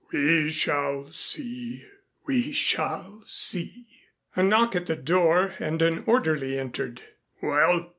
We shall see we shall see." A knock at the door and an orderly entered. "Well?"